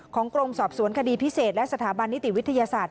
กรมสอบสวนคดีพิเศษและสถาบันนิติวิทยาศาสตร์